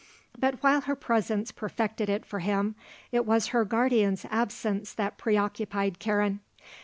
But while her presence perfected it for him, it was her guardian's absence that preoccupied Karen.